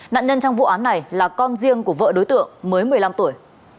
nạn nhân trong vụ án này là con riêng của vợ đối tượng mới một mươi năm tuổi